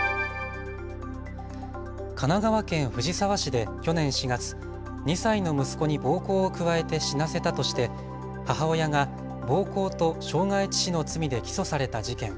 神奈川県藤沢市で去年４月、２歳の息子に暴行を加えて死なせたとして母親が暴行と傷害致死の罪で起訴された事件。